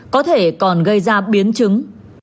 có thể còn gây ra biến chứng